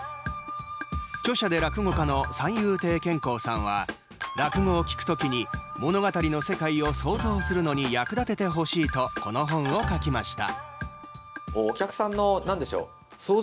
著者で落語家の三遊亭兼好さんは落語を聴く時に物語の世界を想像するのに役立ててほしいとこの本を書きました。